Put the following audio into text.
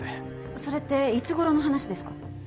それっていつ頃の話ですか？